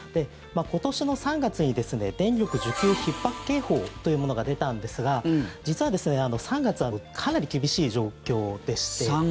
今年の３月に電力需給ひっ迫警報というものが出たんですが実は３月はかなり厳しい状況でして。